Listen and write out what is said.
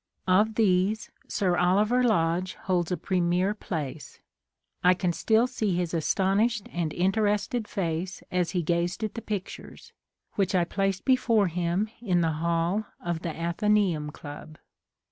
Of these Sir Oliver Lodge holds a premier place. I can still see his astonished and in terested face as he gazed at the pictures, which I placed before him in the hall of the Athena3um Club.